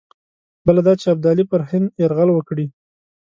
بله دا چې ابدالي پر هند یرغل وکړي.